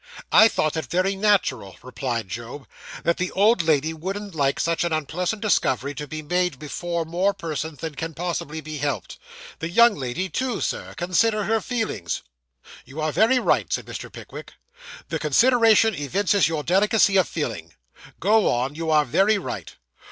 'I thought it very natural,' replied Job, 'that the old lady wouldn't like such an unpleasant discovery to be made before more persons than can possibly be helped. The young lady, too, sir consider her feelings.' 'You are very right,' said Mr. Pickwick. 'The consideration evinces your delicacy of feeling. Go on; you are very right.